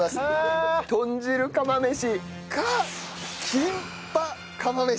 豚汁釜飯かキンパ釜飯。